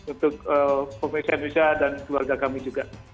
untuk pemerintah indonesia dan keluarga kami juga